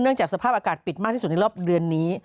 จากสภาพอากาศปิดมากที่สุดในรอบเดือนนี้